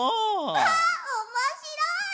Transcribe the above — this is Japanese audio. あっおもしろい！